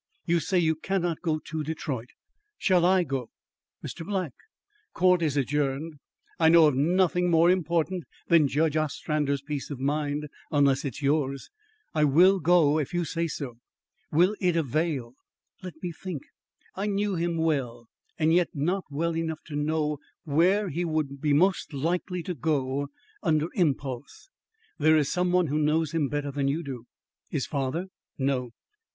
"You say you cannot go to Detroit. Shall I go?" "Mr. Black!" "Court is adjourned. I know of nothing more important than Judge Ostrander's peace of mind unless it is yours. I will go if you say so." "Will it avail? Let me think. I knew him well, and yet not well enough to know where he would be most likely to go under impulse." "There is some one who knows him better than you do." "His father?" "No."